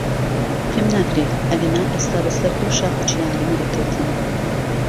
پێم ناکرێ، ئەگەنا ئێستا بەسەر ئەو شاخ و چیایانە دەکەوتم.